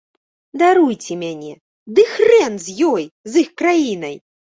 Даруйце мяне, ды хрэн з ёй, з іх краінай!